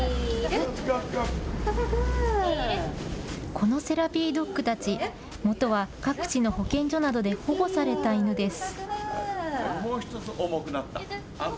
このセラピードッグたち、もとは各地の保健所などで保護された犬です。